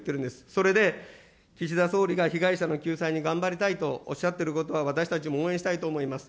それで岸田総理が被害者の救済に頑張りたいとおっしゃっていることは私たちも応援したいと思います。